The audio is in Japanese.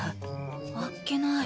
あっけない。